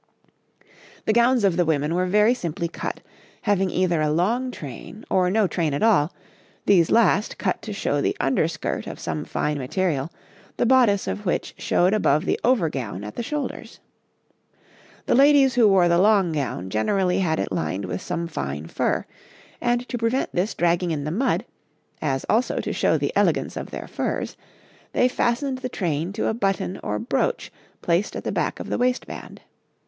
The gowns of the women were very simply cut, having either a long train or no train at all, these last cut to show the under skirt of some fine material, the bodice of which showed above the over gown at the shoulders. The ladies who wore the long gown generally had it lined with some fine fur, and to prevent this dragging in the mud, as also to show the elegance of their furs, they fastened the train to a button or brooch placed at the back of the waistband.